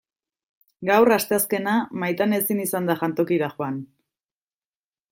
Gaur, asteazkena, Maitane ezin izan da jantokira joan.